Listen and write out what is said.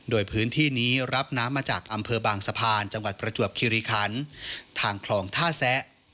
โดยพื้นที่นี้รับน้ำมาจากอำเภอบางสะพานจังหวัดประจวบคิริคันทางคลองท่าแซะ